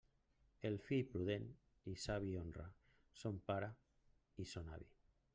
El fill prudent i savi honra son pare i son avi.